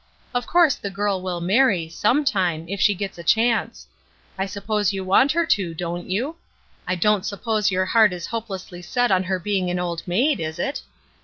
Of course the girl will marry, sometime, if she gets a chance. I suppose you want her to, don't you? I don't suppose your heart is hopelessly set on her being an old maid, is it?